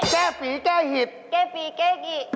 แก้ฝีแก้หิตแก้ฝีแก้กี่